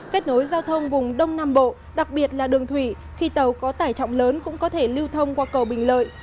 kết nối giao thông vùng đông nam bộ đặc biệt là đường thủy khi tàu có tải trọng lớn cũng có thể lưu thông qua cầu bình lợi